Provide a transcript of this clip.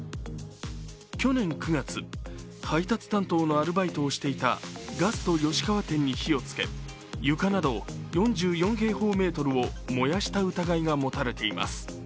去年９月、配達担当のアルバイトをしていたガスト吉川店に火をつけ、床など４４平方メートルを燃やした疑いが持たれています。